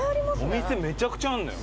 お店めちゃくちゃあんのよ。